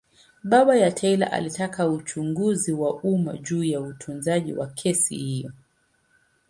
Baba ya Taylor alitaka uchunguzi wa umma juu ya utunzaji wa kesi hiyo.